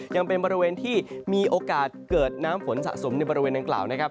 ยังเป็นบริเวณที่มีโอกาสเกิดน้ำฝนสะสมในบริเวณดังกล่าวนะครับ